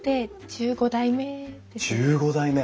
１５代目！